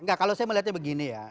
enggak kalau saya melihatnya begini ya